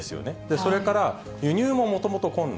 それから、輸入ももともと困難。